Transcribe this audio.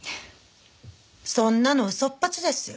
そんなの嘘っぱちですよ。